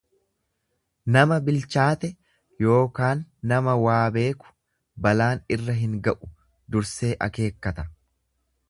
Nama bilchaate yookaan nama waa beeku balaan irra hin ga'u dursee akeekkata.